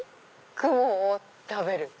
雲を食べる。